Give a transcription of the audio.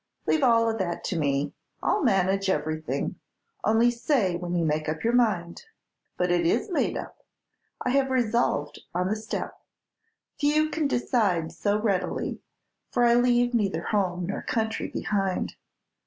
"Leave all that to me, I'll manage everything; only say when you make up your mind." "But it is made up. I have resolved on the step. Few can decide so readily; for I leave neither home nor country behind."